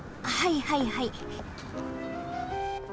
はいはいはい。